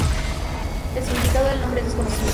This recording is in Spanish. El significado del nombre es desconocido.